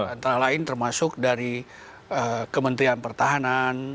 antara lain termasuk dari kementerian pertahanan